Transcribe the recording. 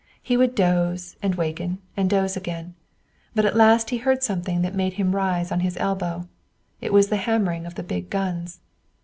He would doze and waken and doze again. But at last he heard something that made him rise on his elbow. It was the hammering of the big guns.